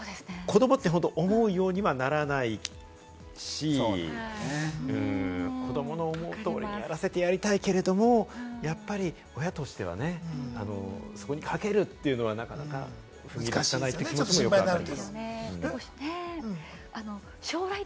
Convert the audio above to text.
そこに新山さんが欲しい答えが子どもって思うようにはならないし、子どもの思う通りにやらせてやりたいけれども、やっぱり親としてはね、そこにかけるというのはなかなか踏ん切りつかない気持ちもあったり。